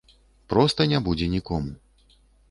Проста не будзе нікому.